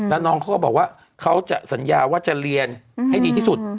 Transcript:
แล้วน้องเขาก็บอกว่าเขาจะสัญญาว่าจะเรียนให้ดีที่สุด